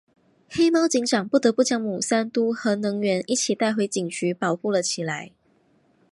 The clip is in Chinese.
黑猫警长不得不将牟三嘟和能源一起带回警局保护了起来。